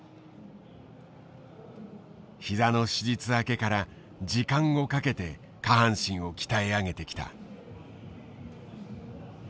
膝の手術明けから時間をかけて下半身を鍛え上げてきた。